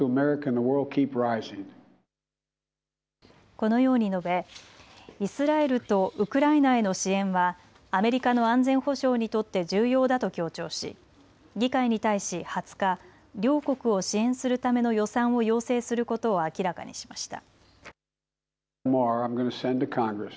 このように述べイスラエルとウクライナへの支援はアメリカの安全保障にとって重要だと強調し議会に対し２０日、両国を支援するための予算を要請することを明らかにしました。